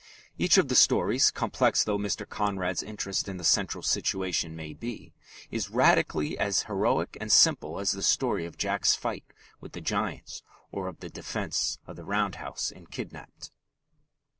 Each of the stories, complex though Mr. Conrad's interest in the central situation may be, is radically as heroic and simple as the story of Jack's fight with the giants or of the defence of the round house in Kidnapped.